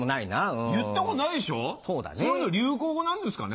そういうの流行語なんですかね？